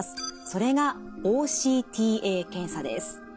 それがＯＣＴＡ検査です。